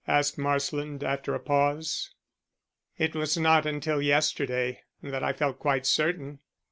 asked Marsland, after a pause. "It was not until yesterday that I felt quite certain.